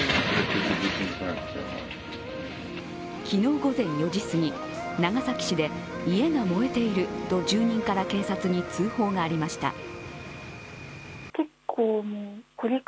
昨日午前４時すぎ長崎市で家が燃えていると住人から警察に通報がありました。